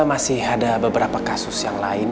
masih ada beberapa kasus yang lain